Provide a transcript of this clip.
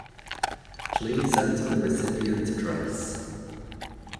Please enter the recipient address.